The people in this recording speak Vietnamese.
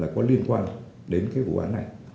có liên quan đến vụ án này